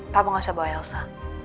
kamu gak usah bawa elsa